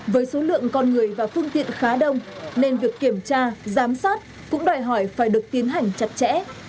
với số lượng con người và phương tiện khá đông nên việc kiểm tra giám sát cũng đòi hỏi phải được tiến hành chặt chẽ